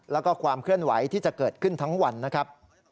แล้วก็ความเคลื่อนไหวที่จะเกิดขึ้นทั้งวันนะครับ